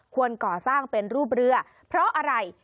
ก่อสร้างเป็นรูปเรือเพราะอะไร